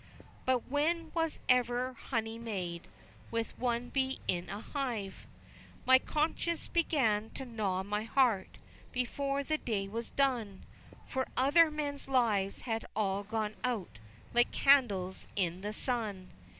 But when was ever honey made With one bee in a hive! XXX. My conscience began to gnaw my heart Before the day was done, For other men's lives had all gone out, Like candles in the sun!